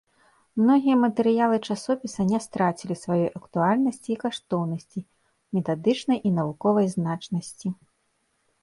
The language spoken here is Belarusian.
Многія матэрыялы часопіса не страцілі сваёй актуальнасці і каштоўнасці, метадычнай і навуковай значнасці.